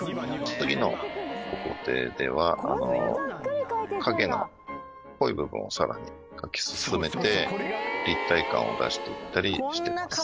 次の工程では影の濃い部分をさらに描き進めて立体感を出していったりしてます。